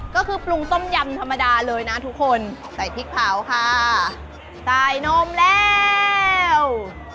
ก็คือปรุงต้มยำธรรมดาเลยนะทุกคนใส่พริกเผาค่ะใส่นมแล้ว